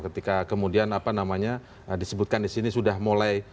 ketika kemudian apa namanya disebutkan disini sudah mulai